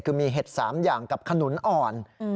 คือมีเห็ด๓อย่างกับขนุนอ่อน